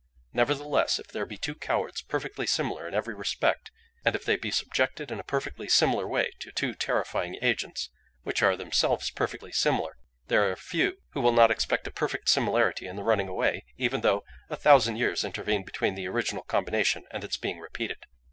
Nevertheless, if there be two cowards perfectly similar in every respect, and if they be subjected in a perfectly similar way to two terrifying agents, which are themselves perfectly similar, there are few who will not expect a perfect similarity in the running away, even though a thousand years intervene between the original combination and its being repeated.